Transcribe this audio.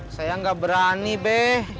saya gak berani be